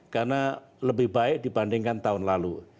karena lebih baik dibandingkan tahun lalu